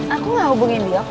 aku gak hubungin dia kok mas